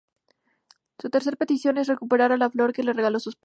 Su tercera petición es recuperar la flor que le regaló a su esposa.